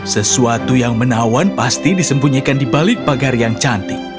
sesuatu yang menawan pasti disembunyikan di balik pagar yang cantik